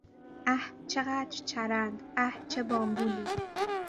اه چقدر چرند!، اه چه بامبولی!